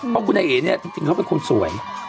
เพราะคุณไอเอเนี่ยจริงเขาเป็นคนสวย